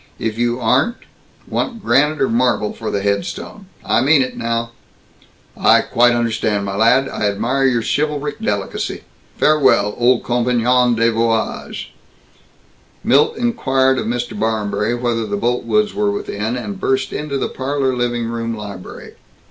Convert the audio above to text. If you aren't Want granite or marble for the headstone? I mean it, now!" "I quite understand, my lad. I admire your chivalric delicacy. Farewell, old compagnon de voyage!" Milt inquired of Mr. Barmberry whether the Boltwoods were within, and burst into the parlor living room library.